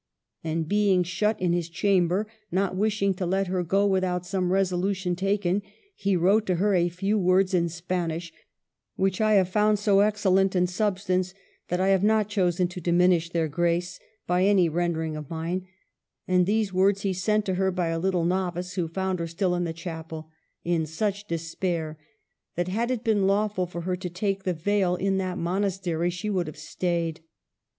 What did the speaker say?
And being shut in his chamber, not wishing to let her go without some reso lution taken, he wrote to her a few words in Spanish, which I have found so excellent in substance that I have not chosen to diminish their grace by any render ing of mine ; and these words he sent to her by a little novice, who found her still in the chapel, in such despair that, had it been lawful for her to take the veil in that monastery, she would have stayed.